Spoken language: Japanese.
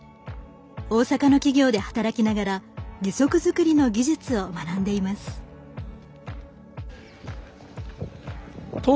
大阪の企業で働きながら義足づくりの技術を学んでいます。